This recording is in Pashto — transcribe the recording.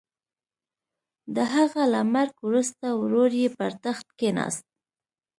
د هغه له مرګ وروسته ورور یې پر تخت کېناست.